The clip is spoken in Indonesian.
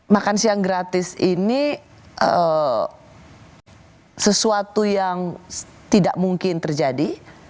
makan siang gratis ini sesuatu yang tidak mungkin terjadi